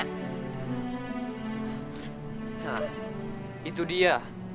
nah itu dia